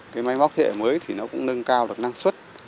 cái máy móc thế hệ mới thì nó cũng nâng cao được năng suất